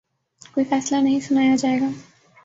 کوئی فیصلہ نہیں سنایا جائے گا